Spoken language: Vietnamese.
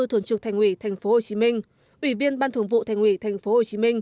thường trực thành ủy tp hcm ủy viên ban thường vụ thành ủy tp hcm